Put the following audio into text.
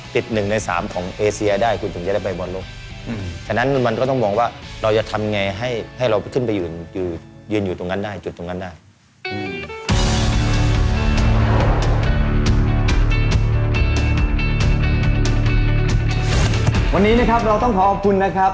วันนี้เราต้องขอบคุณนะครับ